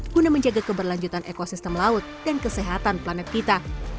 guna menjaga keberlanjutan ekosistem laut dan kesehatan planet kita